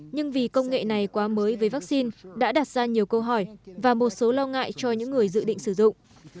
nhưng vì công nghệ này quá mới với vaccine đã đặt ra nhiều câu hỏi và một số lo ngại cho những người dự định sử dụng